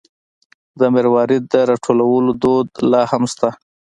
د مروارید د راټولولو دود لا هم شته.